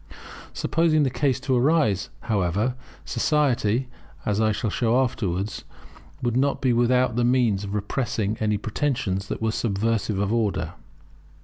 Supposing the case to arise, however, society, as I shall show afterwards, would not be without the means of repressing any pretensions that were subversive of order.